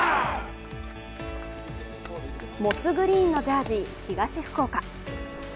モスグリーンのジャージー、東福岡